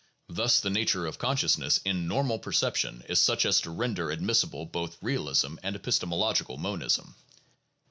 Thus the nature of consciousness in normal perception is such as to render admissible both realism and epistemological monism.